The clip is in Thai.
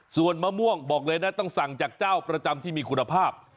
ส่วนมะม่วงบอกเลยนะต้องสั่งจากเจ้าประจำที่มีคุณภาพ